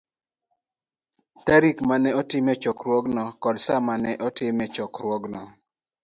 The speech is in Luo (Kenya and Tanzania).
tarik ma ne otimie chokruogno, koda sa ma ne otimie chokruogno